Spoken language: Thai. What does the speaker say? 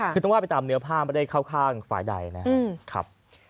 คือต้องว่าไปตามเนื้อผ้าไม่ได้เข้าข้างฝ่ายใดนะครับ